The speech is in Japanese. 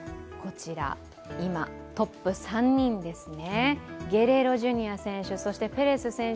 今、トップ３人ですね。